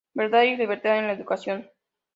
Verdad y libertad en la educación".